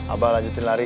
abah lanjutin lari